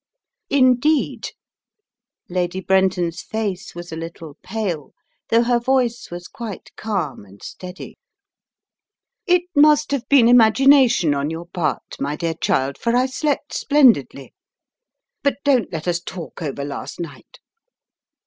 "Indeed?" Lady Brenton's face was a little pale, though her voice was quite calm and steady. It must have been imagination on your part, <c 156 The Riddle of the Purple Emperor my dear child, for I slept splendidly. But don't let us talk over last night."